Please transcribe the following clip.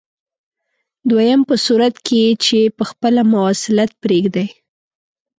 دویم په صورت کې چې په خپله مواصلت پرېږدئ.